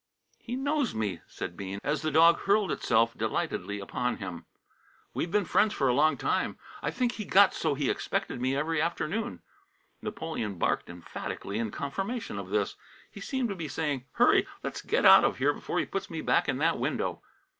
"He knows me," said Bean, as the dog hurled itself delightedly upon him. "We've been friends a long time. I think he got so he expected me every afternoon." Napoleon barked emphatically in confirmation of this. He seemed to be saying: "Hurry! Let's get out of here before he puts me back in that window!"